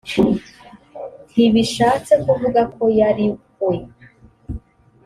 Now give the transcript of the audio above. ntibishatse kuvuga ko yari we